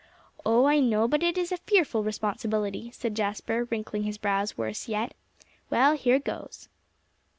"Oh, I know, but it is a fearful responsibility," said Jasper, wrinkling his brows worse yet. "Well, here goes!"